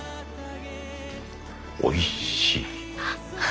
おいしい。